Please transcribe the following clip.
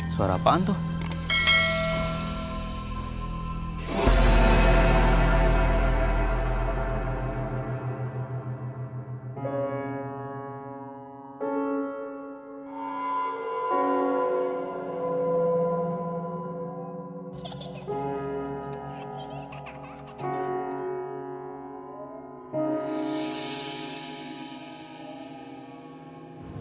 suara apaan tuh